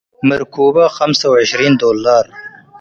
ምርኩበ ከምሳ ወዕሽሪን ዶላር"